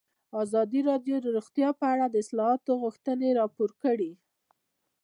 ازادي راډیو د روغتیا په اړه د اصلاحاتو غوښتنې راپور کړې.